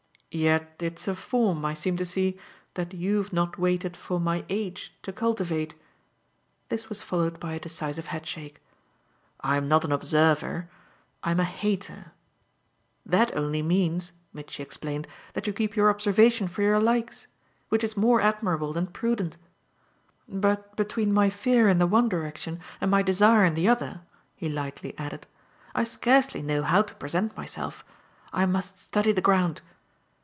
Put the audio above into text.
"Yet it's a form, I seem to see, that you've not waited for my age to cultivate." This was followed by a decisive headshake. "I'm not an observer. I'm a hater." "That only means," Mitchy explained, "that you keep your observation for your likes which is more admirable than prudent. But between my fear in the one direction and my desire in the other," he lightly added, "I scarcely know how to present myself. I must study the ground.